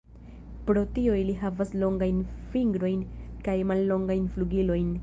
Pro tio ili havas longajn fingrojn kaj mallongajn flugilojn.